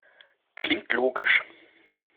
Klingt logisch.